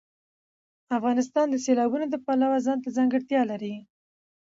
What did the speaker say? افغانستان د سیلابونه د پلوه ځانته ځانګړتیا لري.